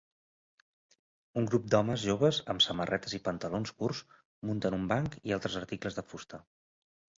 Un grup d'homes joves amb samarretes i pantalons curts munten un banc i altres articles de fusta.